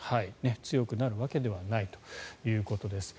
強くなるわけではないということです。